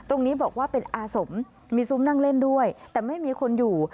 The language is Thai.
ตรงนี้บอกว่าเป็นอาสมมีซุ้มนั่งเล่นด้วยแต่ไม่มีคนอยู่